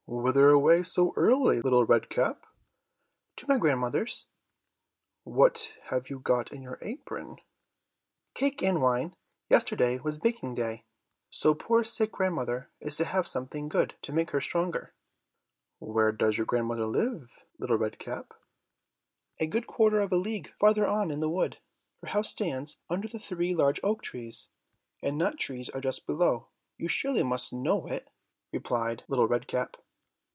"Whither away so early, Little Red Cap?" "To my grandmother's." "What have you got in your apron?" "Cake and wine; yesterday was baking day, so poor sick grandmother is to have something good, to make her stronger." "Where does your grandmother live, Little Red Cap?" "A good quarter of a league farther on in the wood; her house stands under the three large oak trees, the nut trees are just below; you surely must know it," replied Little Red Cap.